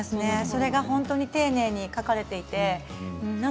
それが本当に丁寧に書かれています。